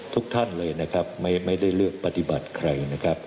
ทุกท่านเลยไม่ได้เลือกปฏิบัติใคร